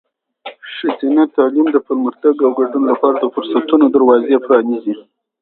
ښځینه تعلیم د پرمختګ او ګډون لپاره د فرصتونو دروازې پرانیزي.